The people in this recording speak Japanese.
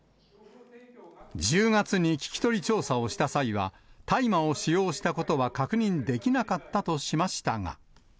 １０月に聞き取り調査をした際には、大麻を使用したことは確認できなかったとしましたが。